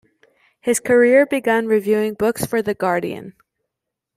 His career began reviewing books for "The Guardian".